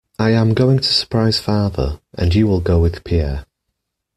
I am going to surprise father, and you will go with Pierre.